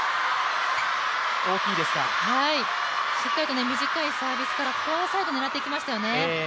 しっかりと短いサービスからフォアサイドを狙っていきましたよね。